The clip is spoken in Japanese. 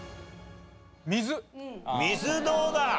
水どうだ？